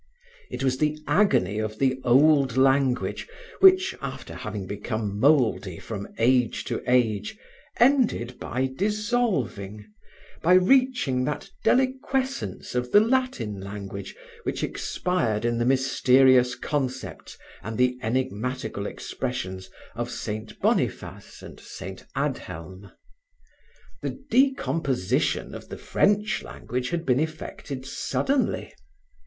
It was the agony of the old language which, after having become moldy from age to age, ended by dissolving, by reaching that deliquescence of the Latin language which expired in the mysterious concepts and the enigmatical expressions of Saint Boniface and Saint Adhelme. The decomposition of the French language had been effected suddenly.